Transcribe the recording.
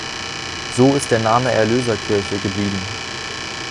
So ist der Name Erlöserkirche geblieben.